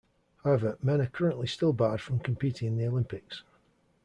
However, men are currently still barred from competing in the Olympics.